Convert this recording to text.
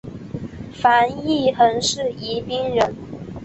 樊一蘅是宜宾人。